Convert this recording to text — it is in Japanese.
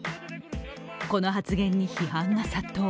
この発言に批判が殺到。